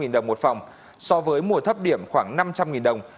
hai trăm linh đồng một phòng so với mùa thấp điểm khoảng năm trăm linh đồng